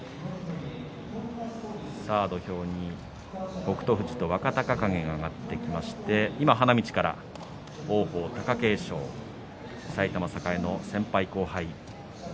さあ土俵に北勝富士と若隆景が上がってきまして今、花道から王鵬、貴景勝埼玉栄の先輩後輩。